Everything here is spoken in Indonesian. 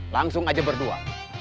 langsung aja berdua